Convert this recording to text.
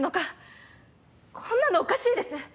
こんなのおかしいです！